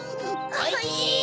おいしい！